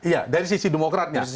iya dari sisi demokrat